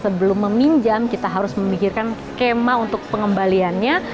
sebelum meminjam kita harus memikirkan skema untuk pengembaliannya